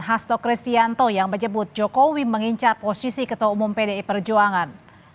hasto kristianto yang menyebut jokowi mengincar posisi ketua umum pdi perjuangan